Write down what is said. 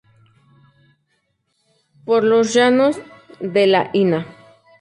Por los Llanos de La Ina